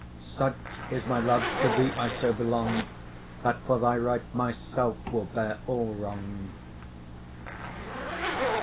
Such is my love, to thee I so belong, That for thy right, myself will bear all wrong.